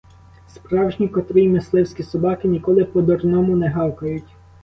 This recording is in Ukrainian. Справжні котрі, мисливські собаки, ніколи по-дурному не гавкають.